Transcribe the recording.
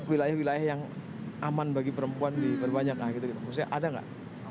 wilayah wilayah yang aman bagi perempuan di berbanyak nah gitu gitu maksudnya ada gak